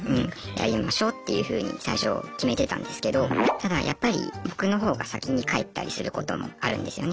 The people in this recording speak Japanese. やりましょうっていうふうに最初決めてたんですけどただやっぱり僕の方が先に帰ったりすることもあるんですよね。